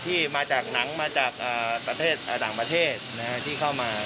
ที่มาจากหนังมาจากต่างประเทศนะครับที่เข้ามา